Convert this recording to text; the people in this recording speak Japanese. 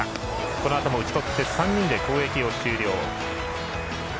このあとも打ち取って３人で攻撃を終了。